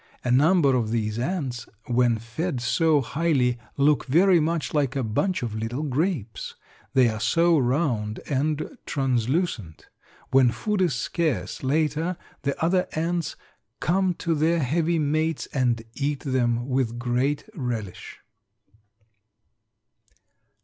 A number of these ants when fed so highly look very much like a bunch of little grapes, they are so round and translucent. When food is scarce later the other ants come to their heavy mates and eat them with great relish.